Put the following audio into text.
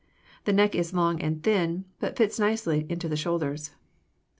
The neck is long and thin, but fits nicely into the shoulders.